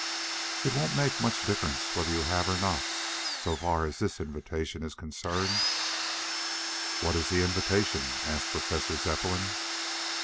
"It won't make much difference whether you have or not, so far as this invitation is concerned." "What is the invitation?" asked Professor Zepplin.